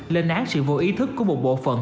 lên án sự vô ý thức của một bộ phận